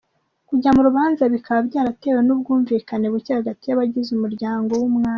Kujya mu rubanza bikaba byaratewe n’ubwumvikane buke hagati y’abagize umuryango w’Umwami.